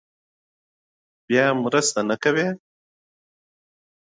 بیا مرسته نه کوي.